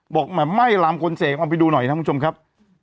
บอกว่าไหม้ระรามกลเสกเอาไปดูหน่อยนะคุณผู้ชมครับ